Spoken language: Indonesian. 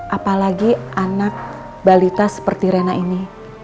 apalagi anak balita seperti rena ini